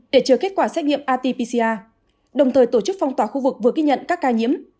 để chờ kết quả xét nghiệm atpca đồng thời tổ chức phong tỏa khu vực vừa ghi nhận các ca nhiễm